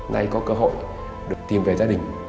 nay có cơ hội được tìm về gia đình